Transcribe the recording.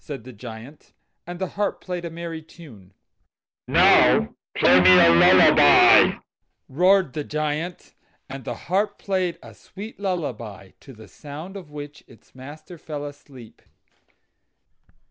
said the Giant. And the harp played a merry tune. "Now play me a lullaby," roared the Giant; and the harp played a sweet lullaby, to the sound of which its master fell asleep.